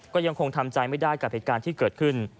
ก็ยังคงทำใจไม่ได้กับเหตุการณ์ที่เกิดขึ้น